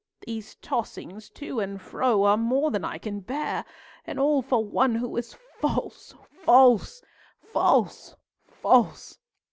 These tossings to and fro are more than I can bear, and all for one who is false, false, false, false!